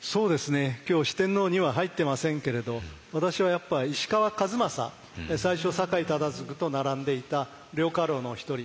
今日四天王には入ってませんけれど私はやっぱ石川数正最初酒井忠次と並んでいた両家老の一人。